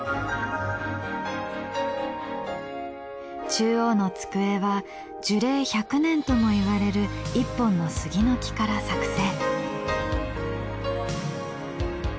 中央の机は樹齢１００年ともいわれる一本の杉の木から作製。